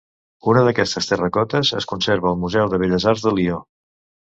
Una d'aquestes terracotes es conserva al Museu de Belles Arts de Lió.